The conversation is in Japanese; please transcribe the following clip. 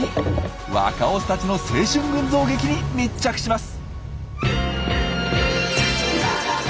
若オスたちの青春群像劇に密着します！